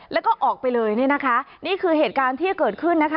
และก็ออกไปเลยนี่คือเหตุการณ์ที่เกิดขึ้นนะคะ